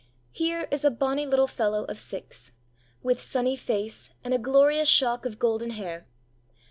Here is a bonny little fellow of six, with sunny face and a glorious shock of golden hair.